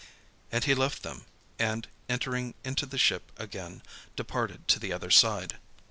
And he left them, and entering into the ship again departed to the other side.